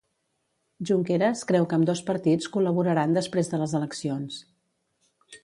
Junqueras creu que ambdós partits col·laboraran després de les eleccions.